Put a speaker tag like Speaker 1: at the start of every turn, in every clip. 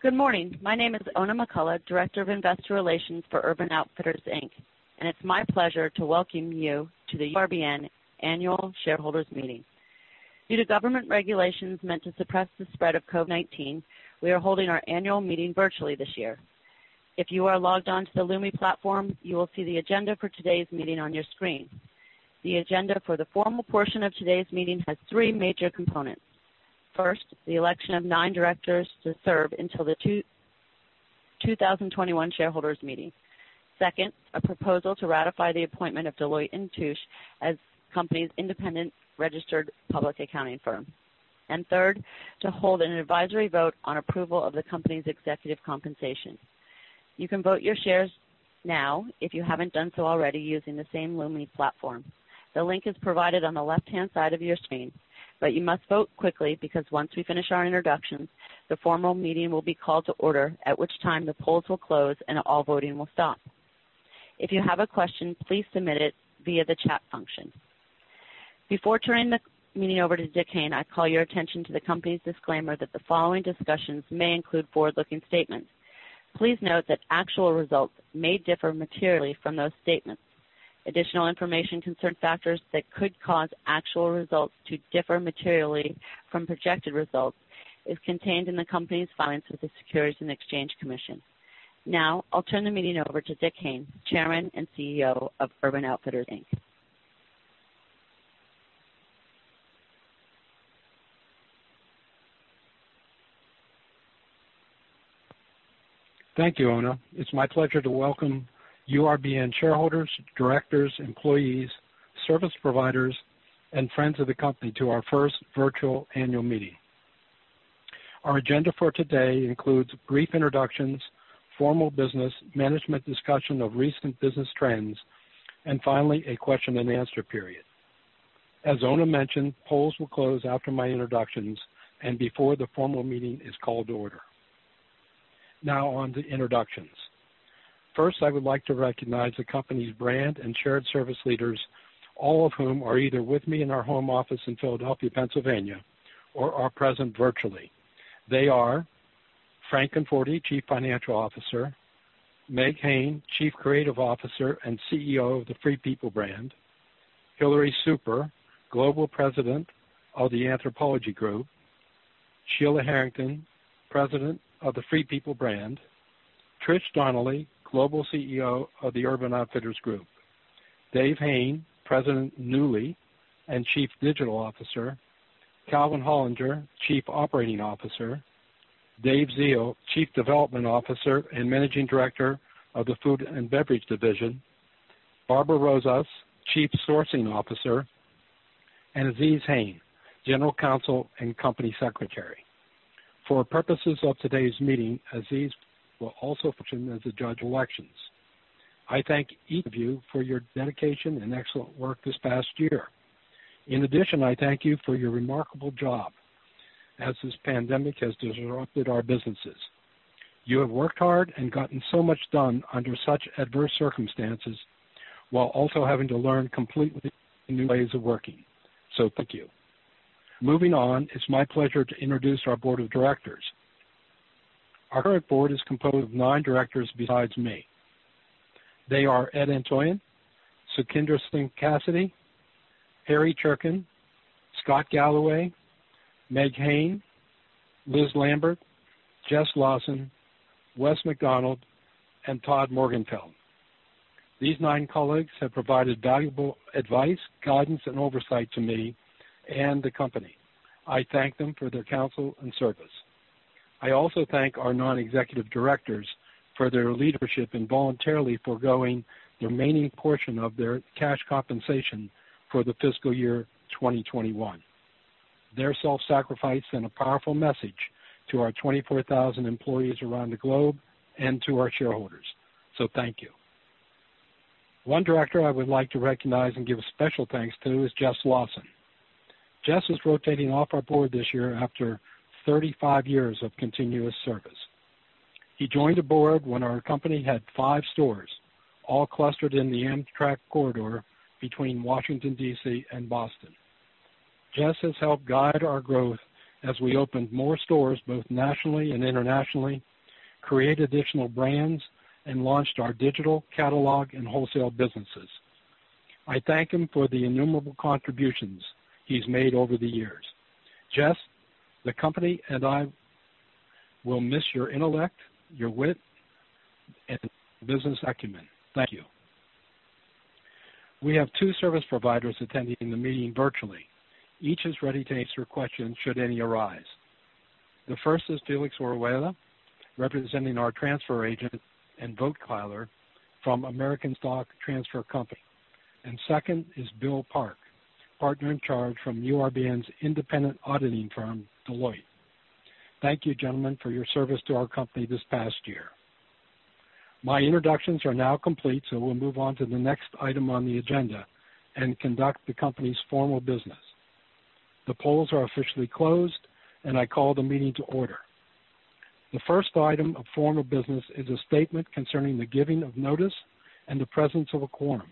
Speaker 1: Good morning. My name is Oona McCullough, Director of Investor Relations for Urban Outfitters, Inc. It's my pleasure to welcome you to the URBN Annual Shareholders Meeting. Due to government regulations meant to suppress the spread of COVID-19, we are holding our annual meeting virtually this year. If you are logged on to the Lumi platform, you will see the agenda for today's meeting on your screen. The agenda for the formal portion of today's meeting has three major components. First, the election of nine directors to serve until the 2021 Shareholders Meeting. Second, a proposal to ratify the appointment of Deloitte & Touche as company's independent registered public accounting firm. Third, to hold an advisory vote on approval of the company's executive compensation. You can vote your shares now, if you haven't done so already, using the same Lumi platform. The link is provided on the left-hand side of your screen, but you must vote quickly because once we finish our introductions, the formal meeting will be called to order, at which time the polls will close and all voting will stop. If you have a question, please submit it via the chat function. Before turning the meeting over to Dick Hayne, I call your attention to the company's disclaimer that the following discussions may include forward-looking statements. Please note that actual results may differ materially from those statements. Additional information concerning factors that could cause actual results to differ materially from projected results is contained in the company's filings with the Securities and Exchange Commission. Now, I'll turn the meeting over to Dick Hayne, Chairman and CEO of Urban Outfitters, Inc.
Speaker 2: Thank you, Oona. It's my pleasure to welcome URBN shareholders, directors, employees, service providers, and friends of the company to our first virtual annual meeting. Our agenda for today includes brief introductions, formal business, management discussion of recent business trends, and finally, a question and answer period. As Oona mentioned, polls will close after my introductions and before the formal meeting is called to order. Now, on to introductions. First, I would like to recognize the company's brand and shared service leaders, all of whom are either with me in our home office in Philadelphia, Pennsylvania, or are present virtually. They are: Frank Conforti, Chief Financial Officer. Meg Hayne, Chief Creative Officer and CEO of the Free People brand. Hillary Super, Global President of the Anthropologie Group. Sheila Harrington, President of the Free People brand. Trish Donnelly, Global CEO of the Urban Outfitters Group. Dave Hayne, President, Nuuly, and Chief Digital Officer. Calvin Hollinger, Chief Operating Officer. Dave Ziel, Chief Development Officer and Managing Director of the Food and Beverage Division. Barbara Rozsas, Chief Sourcing Officer. Azeez Hayne, General Counsel and Corporate Secretary. For purposes of today's meeting, Azeez will also function as a Judge of Elections. I thank each of you for your dedication and excellent work this past year. In addition, I thank you for your remarkable job as this pandemic has disrupted our businesses. You have worked hard and gotten so much done under such adverse circumstances, while also having to learn completely new ways of working. Thank you. Moving on, it's my pleasure to introduce our Board of Directors. Our current Board is composed of nine Directors besides me. They are Ed Antoian, Sukhinder Singh Cassidy, Harry Cherken, Scott Galloway, Meg Hayne, Liz Lambert, Jess Lawson, Wes McDonald, and Todd Morgenfeld. These nine colleagues have provided valuable advice, guidance, and oversight to me and the company. I thank them for their counsel and service. I also thank our non-executive directors for their leadership in voluntarily foregoing the remaining portion of their cash compensation for the fiscal year 2021. Their self-sacrifice sent a powerful message to our 24,000 employees around the globe and to our shareholders. Thank you. One director I would like to recognize and give a special thanks to is Jess Lawson. Jess is rotating off our board this year after 35 years of continuous service. He joined the board when our company had five stores, all clustered in the Amtrak corridor between Washington, D.C., and Boston. Jess has helped guide our growth as we opened more stores, both nationally and internationally, create additional brands, and launched our digital catalog and wholesale businesses. I thank him for the innumerable contributions he's made over the years. Jess, the company and I will miss your intellect, your wit, and business acumen. Thank you. We have two service providers attending the meeting virtually. Each is ready to answer questions should any arise. The first is Felix Orihuela, representing our transfer agent and vote compiler from American Stock Transfer & Trust Company. Second is Bill Park, Partner in Charge from URBN's independent auditing firm, Deloitte. Thank you, gentlemen, for your service to our company this past year. My introductions are now complete. We'll move on to the next item on the agenda and conduct the company's formal business. The polls are officially closed. I call the meeting to order. The first item of formal business is a statement concerning the giving of notice and the presence of a quorum.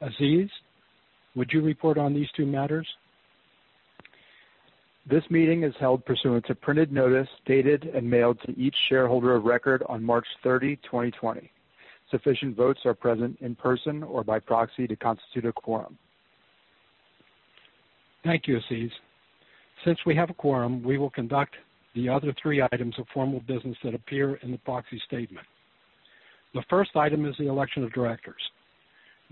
Speaker 2: Azeez, would you report on these two matters?
Speaker 3: This meeting is held pursuant to printed notice, dated and mailed to each shareholder of record on March 30, 2020. Sufficient votes are present in person or by proxy to constitute a quorum.
Speaker 2: Thank you, Azeez. Since we have a quorum, we will conduct the other three items of formal business that appear in the proxy statement. The first item is the election of directors.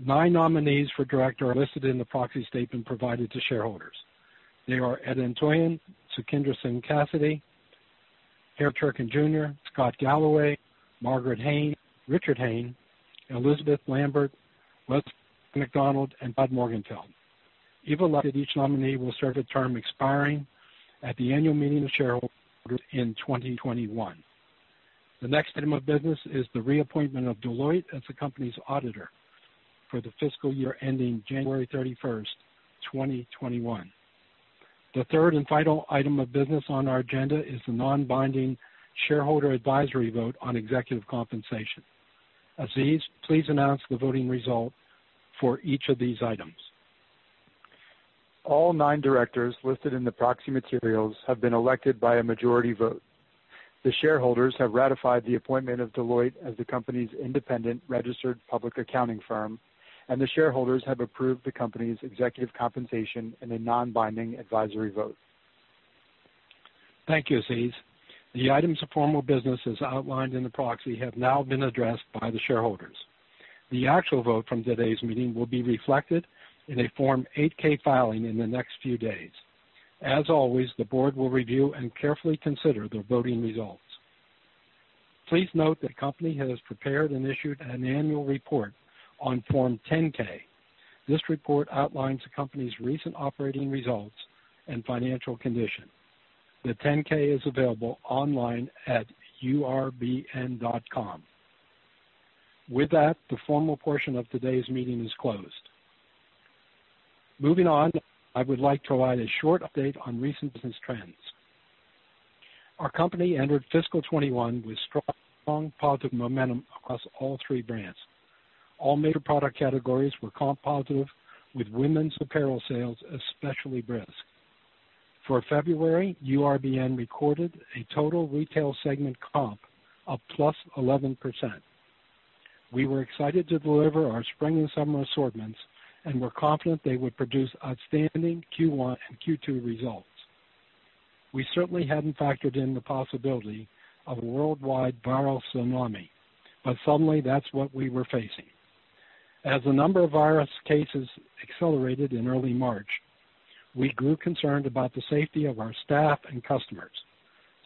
Speaker 2: Nine nominees for director are listed in the proxy statement provided to shareholders. They are Ed Entwistle, Sukhinder Singh Cassidy, Harry S. Cherken, Jr., Scott Galloway, Margaret Hayne, Richard Hayne, Elizabeth Lambert, Wesley S. McDonald, and Bud Morgenfeld. If elected, each nominee will serve a term expiring at the annual meeting of shareholders in 2021. The next item of business is the reappointment of Deloitte as the company's auditor for the fiscal year ending January 31st, 2021. The third and final item of business on our agenda is the non-binding shareholder advisory vote on executive compensation. Azeez, please announce the voting result for each of these items.
Speaker 3: All nine directors listed in the proxy materials have been elected by a majority vote. The shareholders have ratified the appointment of Deloitte as the company's independent registered public accounting firm, and the shareholders have approved the company's executive compensation in a non-binding advisory vote.
Speaker 2: Thank you, Azeez. The items of formal business as outlined in the proxy have now been addressed by the shareholders. The actual vote from today's meeting will be reflected in a Form 8-K filing in the next few days. As always, the board will review and carefully consider the voting results. Please note that the company has prepared and issued an annual report on Form 10-K. This report outlines the company's recent operating results and financial condition. The 10-K is available online at urbn.com. With that, the formal portion of today's meeting is closed. Moving on, I would like to provide a short update on recent business trends. Our company entered fiscal 2021 with strong, positive momentum across all three brands. All major product categories were comp positive, with women's apparel sales especially brisk. For February, URBN recorded a total retail segment comp of +11%. We were excited to deliver our spring and summer assortments and were confident they would produce outstanding Q1 and Q2 results. We certainly hadn't factored in the possibility of a worldwide viral tsunami. Suddenly, that's what we were facing. As the number of virus cases accelerated in early March, we grew concerned about the safety of our staff and customers.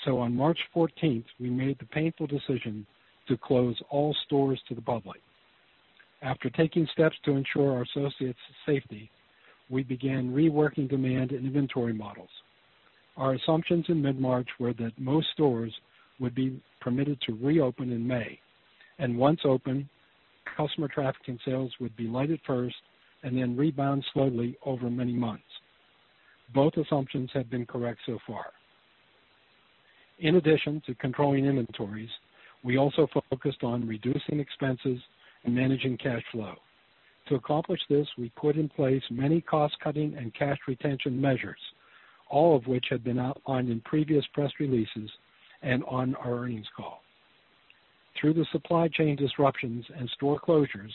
Speaker 2: On March 14th, we made the painful decision to close all stores to the public. After taking steps to ensure our associates' safety, we began reworking demand and inventory models. Our assumptions in mid-March were that most stores would be permitted to reopen in May, and once open, customer traffic and sales would be light at first and then rebound slowly over many months. Both assumptions have been correct so far. In addition to controlling inventories, we also focused on reducing expenses and managing cash flow. To accomplish this, we put in place many cost-cutting and cash retention measures, all of which have been outlined in previous press releases and on our earnings call. Through the supply chain disruptions and store closures,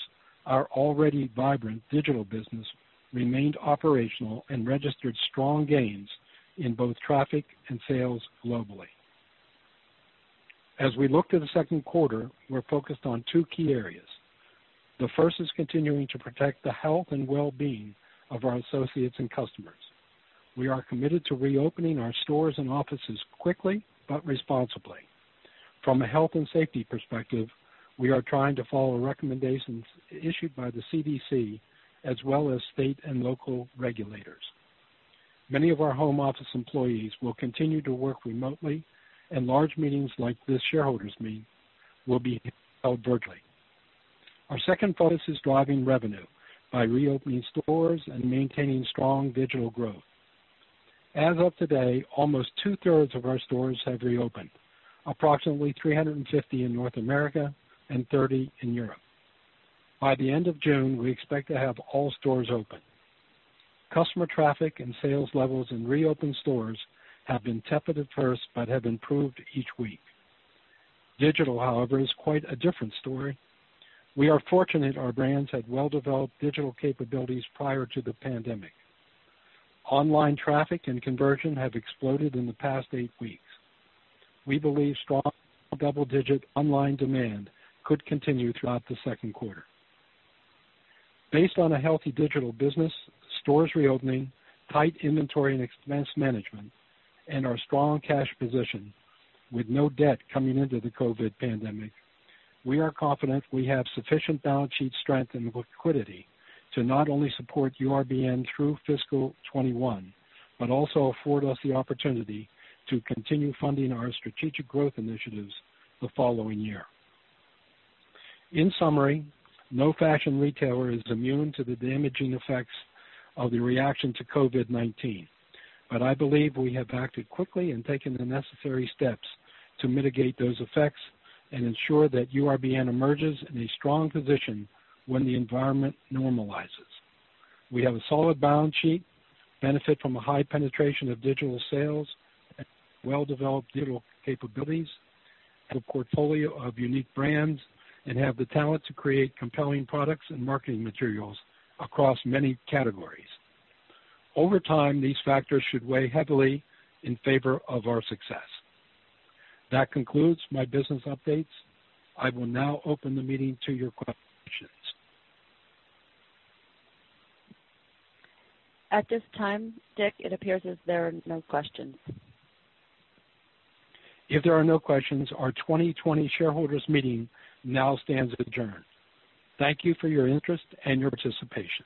Speaker 2: our already vibrant digital business remained operational and registered strong gains in both traffic and sales globally. As we look to the second quarter, we're focused on two key areas. The first is continuing to protect the health and well-being of our associates and customers. We are committed to reopening our stores and offices quickly but responsibly. From a health and safety perspective, we are trying to follow recommendations issued by the CDC as well as state and local regulators. Many of our home office employees will continue to work remotely, and large meetings like this shareholders meeting will be held virtually. Our second focus is driving revenue by reopening stores and maintaining strong digital growth. As of today, almost two-thirds of our stores have reopened. Approximately 350 in North America and 30 in Europe. By the end of June, we expect to have all stores open. Customer traffic and sales levels in reopened stores have been tepid at first but have improved each week. Digital, however, is quite a different story. We are fortunate our brands had well-developed digital capabilities prior to the pandemic. Online traffic and conversion have exploded in the past eight weeks. We believe strong double-digit online demand could continue throughout the second quarter. Based on a healthy digital business, stores reopening, tight inventory and expense management, and our strong cash position with no debt coming into the COVID pandemic, we are confident we have sufficient balance sheet strength and liquidity to not only support URBN through fiscal 2021, but also afford us the opportunity to continue funding our strategic growth initiatives the following year. In summary, no fashion retailer is immune to the damaging effects of the reaction to COVID-19. I believe we have acted quickly and taken the necessary steps to mitigate those effects and ensure that URBN emerges in a strong position when the environment normalizes. We have a solid balance sheet, benefit from a high penetration of digital sales and well-developed digital capabilities, have a portfolio of unique brands, and have the talent to create compelling products and marketing materials across many categories. Over time, these factors should weigh heavily in favor of our success. That concludes my business updates. I will now open the meeting to your questions.
Speaker 3: At this time, Dick, it appears as there are no questions.
Speaker 2: If there are no questions, our 2020 shareholders meeting now stands adjourned. Thank you for your interest and your participation.